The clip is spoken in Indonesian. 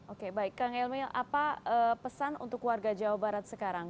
oke baik kang emil apa pesan untuk warga jawa barat sekarang